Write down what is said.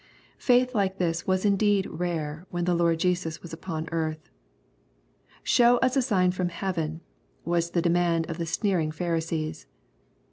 Faith like this was indeed rare when the Lord Jesus was upon earth. " Show us a sign from heaven," was the demand of the sneering Pharisees.